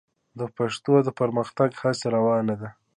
د دښتو د پرمختګ هڅې روانې دي.